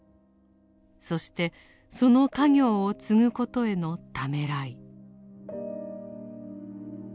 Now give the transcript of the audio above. そしてその家業を継ぐことへのためらい。